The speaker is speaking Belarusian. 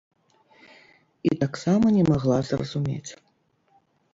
І таксама не магла зразумець.